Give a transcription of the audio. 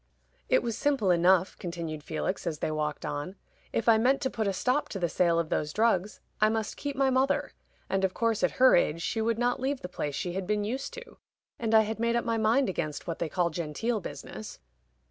"It was simple enough," continued Felix, as they walked on. "If I meant to put a stop to the sale of those drugs, I must keep my mother, and of course at her age she would not leave the place she had been used to. And I had made up my mind against what they call genteel business."